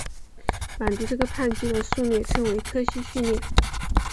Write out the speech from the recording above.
满足这个判据的数列称为柯西序列。